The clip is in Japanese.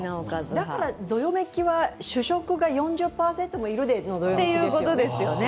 だからどよめきは主食が４０％もいるっていうことですね。